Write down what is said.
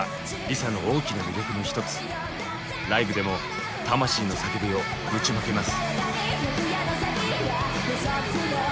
ライブでも魂の叫びをぶちまけます。